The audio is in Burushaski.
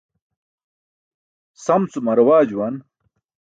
Sam cum arawaa juwan.